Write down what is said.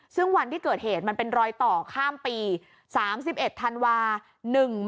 ซึ่งวันที่เกิดเหตุมันเป็นรอยต่อข้ามปี๓๑ธันวาคม